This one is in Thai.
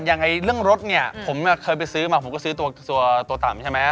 อย่างเรื่องรถเนี่ยผมเคยไปซื้อมาผมก็ซื้อตัวต่ำใช่ไหม